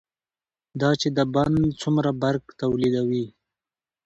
دا چې دا بند څومره برق تولیدوي،